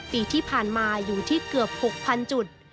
ปีที่ผ่านมาอยู่ที่เกือบ๖๐๐๐จุด